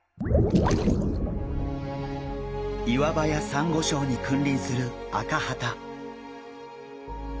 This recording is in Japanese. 岩場やサンゴ礁に君臨するアカハタ。